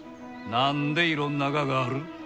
何でいろんなががある？